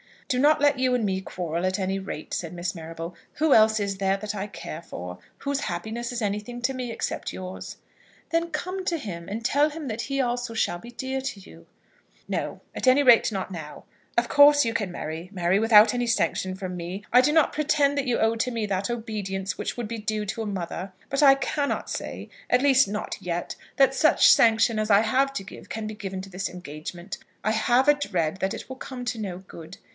"Do not let you and me quarrel, at any rate," said Miss Marrable. "Who else is there that I care for? Whose happiness is anything to me except yours?" "Then come to him, and tell him that he also shall be dear to you." "No; at any rate, not now. Of course you can marry, Mary, without any sanction from me. I do not pretend that you owe to me that obedience which would be due to a mother. But I cannot say, at least, not yet, that such sanction as I have to give can be given to this engagement. I have a dread that it will come to no good.